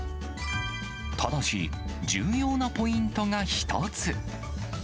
ただし、重要なポイントが一つ。